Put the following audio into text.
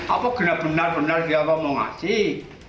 apa benar benar benar dia mau ngasih